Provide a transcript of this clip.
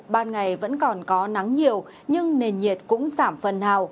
ban ngày vẫn còn có nắng nhiều nhưng nền nhiệt cũng giảm phần hào